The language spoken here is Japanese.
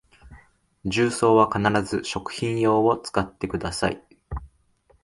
重曹は必ず食品用を使ってください